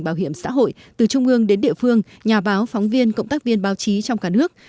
bảo hiểm xã hội từ trung ương đến địa phương nhà báo phóng viên cộng tác viên báo chí trong cả nước